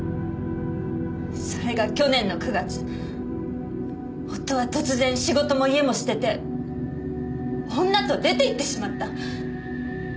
それが去年の９月夫は突然仕事も家も捨てて女と出て行ってしまった。